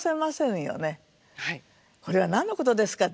これは何のことですか？